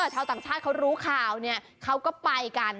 ชาวต่างชาติเขารู้ข่าวเนี่ยเขาก็ไปกัน